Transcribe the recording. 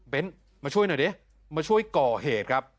เป็นมาช่วยหน่อยดิมาช่วยก่อเหตุครับ